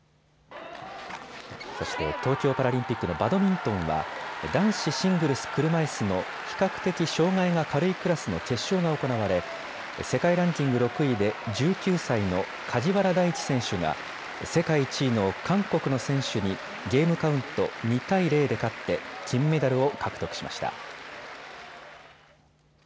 そして東京パラリンピックのバドミントンは男子シングルス車いすの比較的障害が軽いクラスの決勝が行われ世界ランキング６位で１９歳の梶原大暉選手が世界１位の韓国の選手にゲームカウント２対０で勝って金メダルを獲得しました。